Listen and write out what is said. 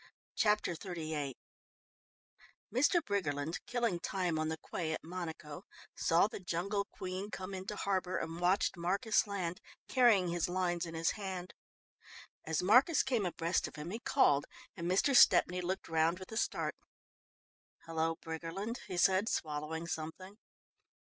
Chapter XXXVIII Mr. Briggerland, killing time on the quay at Monaco, saw the Jungle Queen come into harbour and watched Marcus land, carrying his lines in his hand. As Marcus came abreast of him he called and Mr. Stepney looked round with a start. "Hello, Briggerland," he said, swallowing something.